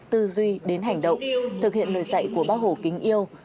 tư duy đến hành động thực hiện lời dạy của bác hồ kính yêu